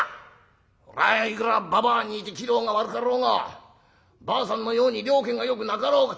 そらいくらばばあに似て器量が悪かろうがばあさんのように了見がよくなかろうが」。